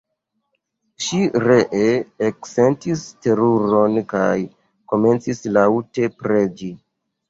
Ŝi ree eksentis teruron kaj komencis laŭte preĝi.